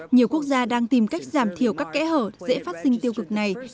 nhiều quốc gia đang tìm cách giảm thiểu các kẽ hở dễ phát sinh tiêu cực này